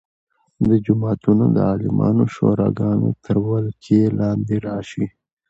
جوماتونه د عالمانو شوراګانو تر ولکې لاندې راشي.